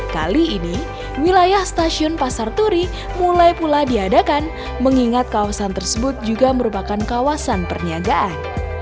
kali ini wilayah stasiun pasar turi mulai pula diadakan mengingat kawasan tersebut juga merupakan kawasan perniagaan